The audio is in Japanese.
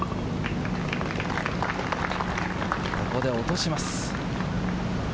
ここで落とします。